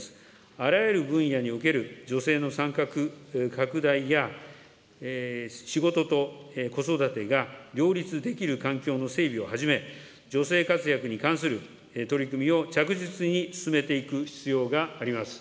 あらゆる分野における女性の参画拡大や、仕事と子育てが両立できる環境の整備をはじめ、女性活躍に関する取り組みを着実に進めていく必要があります。